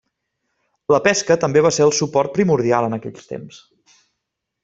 La pesca també va ser el suport primordial en aquells temps.